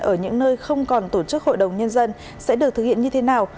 ở những nơi không còn tổ chức hội đồng nhân dân sẽ được thực hiện như thế nào